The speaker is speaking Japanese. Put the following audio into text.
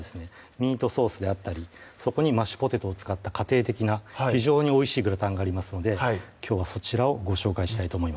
ミートソースであったりそこにマッシュポテトを使った家庭的な非常においしいグラタンがありますのできょうはそちらをご紹介したいと思います